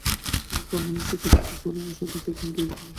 তিনি কর্মনিষ্ঠা, কর্তব্য পরায়ন ও সততার গুন পেয়েছিলেন।